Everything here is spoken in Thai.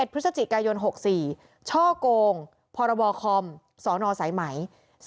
พฤศจิกายน๖๔ช่อกงพรบคมสนสายไหม